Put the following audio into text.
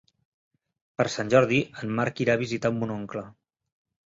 Per Sant Jordi en Marc irà a visitar mon oncle.